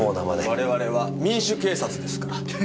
我々は民主警察ですから。